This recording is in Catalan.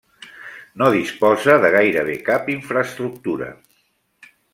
No disposa de gairebé cap infraestructura.